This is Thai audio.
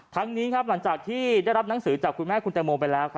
ทั้งนี้หลังจากที่ได้รับหนังสือจากคุณแม่คุณแตงโมไปแล้ว